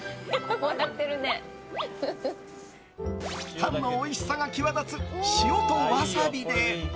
たんのおいしさが際立つ塩とわさびで。